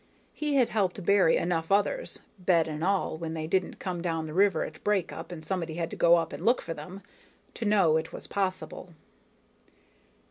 He had helped bury enough others, bed and all when they didn't come down the river at breakup and somebody had to go up and look for them, to know it was possible.